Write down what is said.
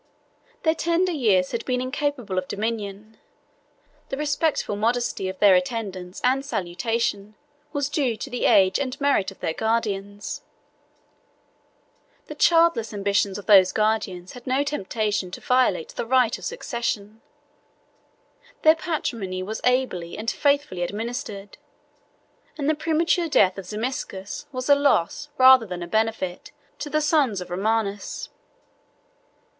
Their tender years had been incapable of dominion: the respectful modesty of their attendance and salutation was due to the age and merit of their guardians; the childless ambition of those guardians had no temptation to violate their right of succession: their patrimony was ably and faithfully administered; and the premature death of Zimisces was a loss, rather than a benefit, to the sons of Romanus.